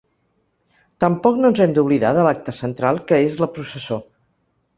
Tampoc no ens hem d’oblidar de l’acte central, que és la processó.